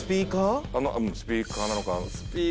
スピーカーなのか。